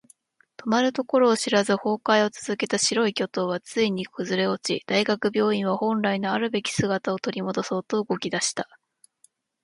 止まるところを知らず崩壊を続けた白い巨塔はついに崩れ落ち、大学病院は本来のあるべき姿を取り戻そうと動き出した。